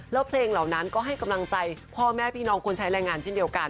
แล้วเพลงเหล่านั้นก็ให้กำลังใจพ่อแม่พี่น้องคนใช้แรงงานเช่นเดียวกัน